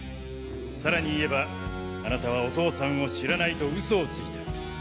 さらに言えばあなたはお父さんを知らないと嘘をついた。